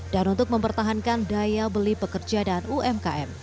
dan untuk mempertahankan daya beli pekerja dan umkm